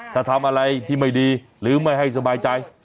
ถ้าทำอะไรที่ไม่ดีหรือไม่ให้สบายใจ